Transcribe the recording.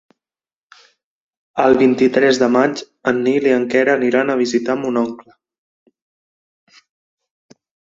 El vint-i-tres de maig en Nil i en Quer aniran a visitar mon oncle.